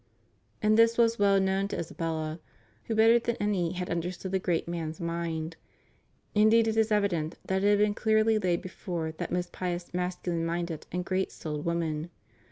And this was well known to Isabella, who better than any had understood the great man's mind; indeed it is evident that it had been clearly laid before that most pious, masculine minded, and great souled woman.